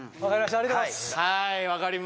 ありがとうございます！